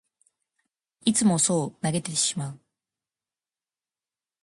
いつもそう投げ捨ててしまう